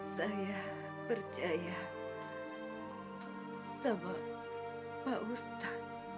saya percaya sama pak ustadz